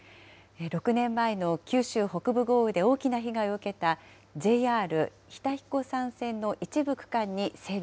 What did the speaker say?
６年前の九州北部豪雨で大きな被害を受けたＪＲ日田彦山線の一部